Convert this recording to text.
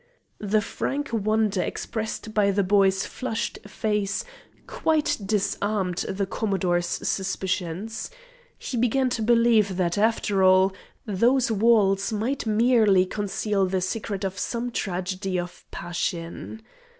The frank wonder expressed by the boy's flushed face quite disarmed the Commodore's suspicions. He began to believe that, after all, those walls might merely conceal the secret of some tragedy of passion.